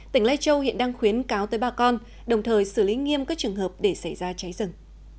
tỉnh lai châu hiện đang khuyến cáo tới bà con đồng thời xử lý nghiêm các trường hợp để xảy ra cháy rừng